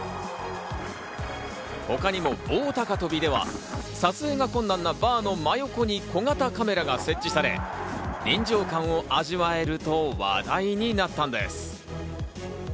他にも棒高跳びでは撮影が困難なバーの真横に小型カメラが設置され、臨場感を味わえると話題になったんです。